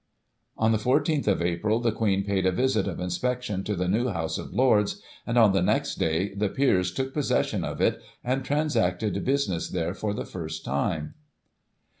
On the 14th of April the Queen paid a visit of inspection to the New House of Lords, and, on the next day, the Peers took possession of it, and transacted business there for the first time.